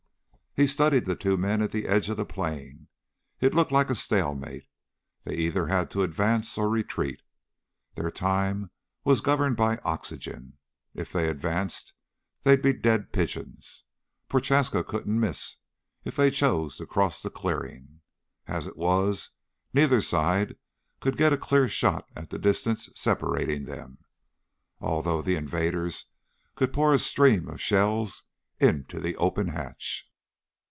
He studied the two men at the edge of the plain. It looked like a stalemate. They either had to advance or retreat. Their time was governed by oxygen. If they advanced, they'd be dead pigeons. Prochaska couldn't miss if they chose to cross the clearing. As it was, neither side could get a clear shot at the distance separating them, although the invaders could pour a stream of shells into the open hatch.